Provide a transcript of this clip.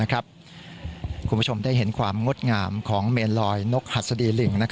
คุณผู้ชมได้เห็นความงดงามของเมนลอยนกหัสดีลิง